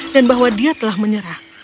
dan bahwa dia telah menyerah